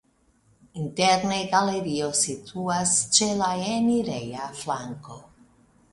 Interne galerio situas ĉe la enireja flanko.